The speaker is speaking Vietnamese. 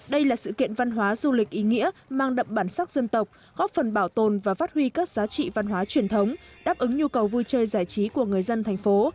đây là sự kiện văn hóa du lịch ý nghĩa mang đậm bản sắc dân tộc góp phần bảo tồn và phát huy các giá trị văn hóa truyền thống đáp ứng nhu cầu vui chơi giải trí của người dân thành phố